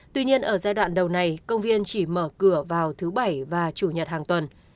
tuy nhiên ở giai đoạn đầu này công viên chỉ mở cửa vào thứ bảy và chủ nhật hàng tuần